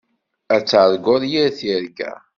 Ad targuḍ yir tirga.